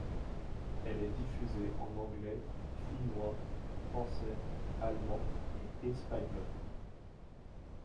Elle est diffusée en anglais, finnois, français, allemand et espagnol.